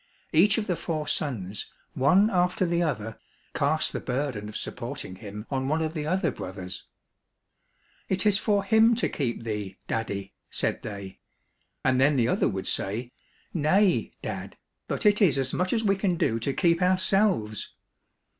Each of the four sons, one after the other, cast the burden of supporting him on one of the other brothers. " It is for him to keep thee, daddy !" said they ; and then the other would say, " Nay, dad, but it is as much as we can do to keep ourselves."